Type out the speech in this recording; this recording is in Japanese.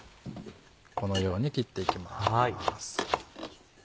このように切っていきます。